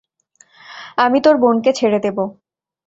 আমি তোর বোনকে ছেড়ে দেবো।